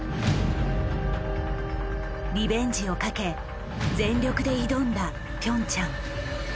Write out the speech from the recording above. リベンジをかけ全力で挑んだピョンチャン。